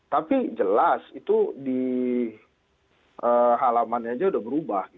tapi jelas itu di halaman saja sudah berubah